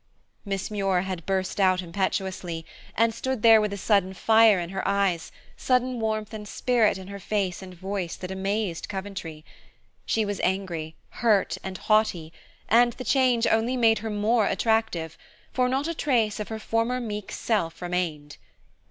Miss Muir had burst out impetuously, and stood there with a sudden fire in her eyes, sudden warmth and spirit in her face and voice that amazed Coventry. She was angry, hurt, and haughty, and the change only made her more attractive, for not a trace of her former meek self remained.